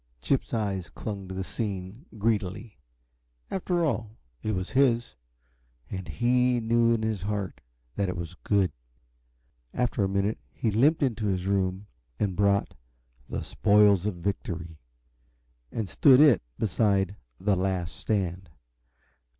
Chip's eyes clung to the scene greedily. After all, it was his and he knew in his heart that it was good. After a minute he limped into his room and brought "The Spoils of Victory," and stood it beside "The Last Stand."